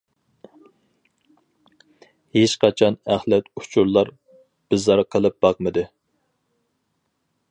ھېچقاچان ئەخلەت ئۇچۇرلار بىزار قىلىپ باقمىدى.